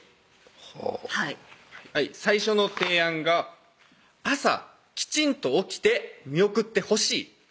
ほうはい最初の提案が「朝きちんと起きて見送ってほしい」